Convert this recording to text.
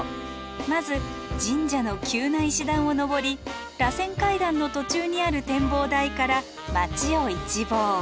まず神社の急な石段を上り螺旋階段の途中にある展望台から街を一望。